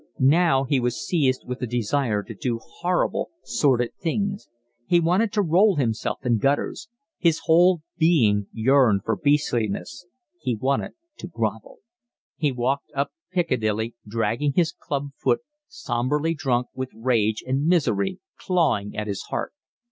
Now he was seized with a desire to do horrible, sordid things; he wanted to roll himself in gutters; his whole being yearned for beastliness; he wanted to grovel. He walked up Piccadilly, dragging his club foot, sombrely drunk, with rage and misery clawing at his heart.